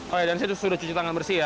oh ya dan saya sudah cuci tangan bersih ya